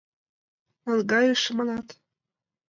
Наҥгайыше манат?